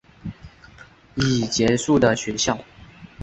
已结束的学校